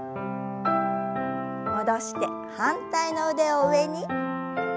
戻して反対の腕を上に。